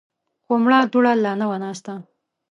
خو مړه دوړه لا نه وه ناسته.